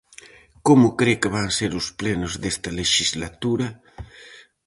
Como cre que van ser os plenos desta lexislatura?